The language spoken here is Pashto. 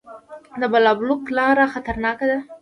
د بالابلوک لاره خطرناکه ده